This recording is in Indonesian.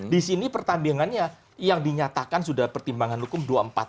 di sini pertandingannya yang dinyatakan sudah pertimbangan hukum dua ratus empat puluh lima